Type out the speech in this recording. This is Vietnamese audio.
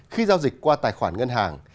khi giao dịch qua tài khoản ngân hàng